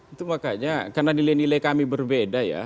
itu makanya karena nilai nilai kami berbeda ya